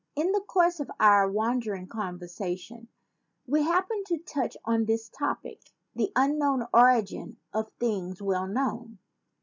In the course of our wandering con versation we happened to touch on this topic, the unknown origin of things well known.